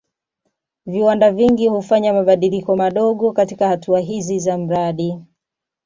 Viwanda vingi hufanya mabadiliko madogo katika hatua hizi za mradi.